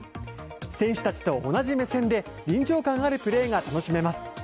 選手たちと同じ目線で臨場感あるプレーが楽しめます。